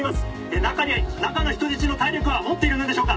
「中に中の人質の体力はもっているのでしょうか？」